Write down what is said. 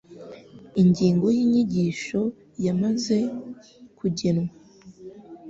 Ingingo y'inyigisho yamaze kugenwa.